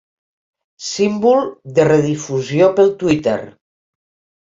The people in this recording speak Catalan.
Símbol de redifusió pel Twitter.